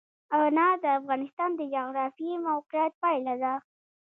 انار د افغانستان د جغرافیایي موقیعت پایله ده.